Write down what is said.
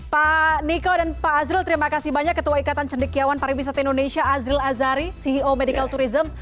pak niko dan pak azril terima kasih banyak ketua ikatan cendekiawan pariwisata indonesia azril azari ceo medical tourism